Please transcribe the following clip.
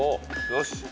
よし。